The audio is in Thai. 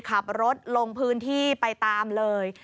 ขับรถลงพื้นที่ไปตามเลย